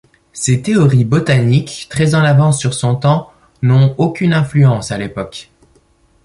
Ses théories botaniques, très en avance sur son temps, n’ont aucune influence à l’époque.